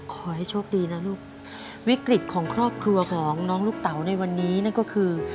ขอให้โชคดีนะลูกวิกฤตของครอบครัวของน้องลูกเต๋าในวันนี้นั่นก็คือ